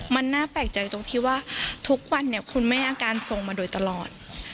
มันน่าแปลกใจตรงที่ว่าทุกวันเนี่ยคุณแม่อาการทรงมาโดยตลอด